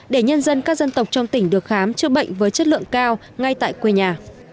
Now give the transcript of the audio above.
để nhân dân các dân tộc trong tỉnh được khám chữa bệnh với chất lượng cao ngay tại quê nhà